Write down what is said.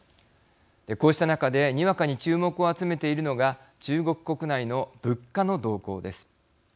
こうした中でにわかに注目を集めているのが中国国内の物価の動向です。